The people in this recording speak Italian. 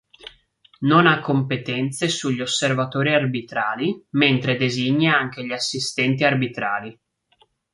Non ha competenze sugli osservatori arbitrali mentre designa anche gli assistenti arbitrali.